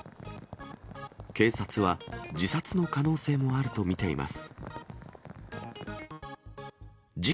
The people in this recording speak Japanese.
警察は、自殺の可能性もあると見ています。